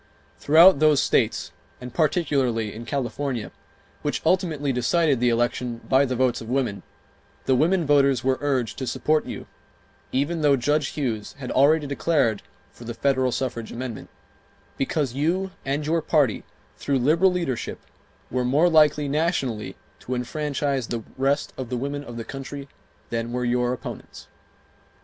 Throughout those states, and particularly in California, which ultimately decided the election by the votes of women, the women voters were urged to support you, even though Judge Hughes had already declared for the federal suffrage amendment, because you and your party, through liberal leadership, were more likely nationally to enfranchise the rest of the women of the country than were your opponents.